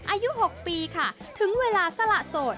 อายุ๖ปีค่ะถึงเวลาสละโสด